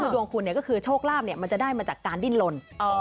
ดวงคุณก็คือโชคลาภมันจะได้มาจากการดิ้นลน